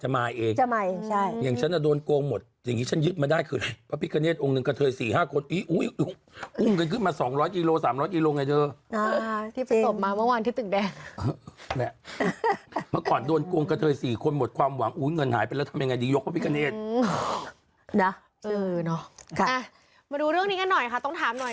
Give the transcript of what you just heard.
มาดูเรื่องนี้กันหน่อยค่ะต้องถามหน่อย